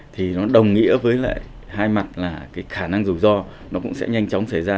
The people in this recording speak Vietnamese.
thì nó đồng nghĩa với lại hai mặt là cái khả năng rủi ro nó cũng sẽ nhanh chóng xảy ra